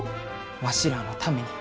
わしらのために。